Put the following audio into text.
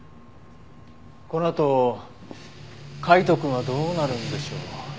このあと海斗くんはどうなるんでしょう？